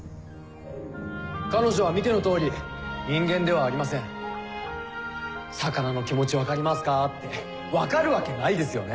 彼女は見ての通り人間ではありません「魚の気持ち分かりますか？」って分かるわけないですよね？